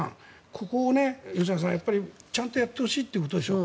ここを吉永さんちゃんとやってほしいっていうことでしょう。